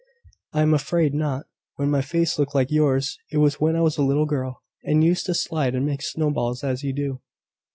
"I am afraid not. When my face looked like yours, it was when I was a little girl, and used to slide and make snowballs as you do.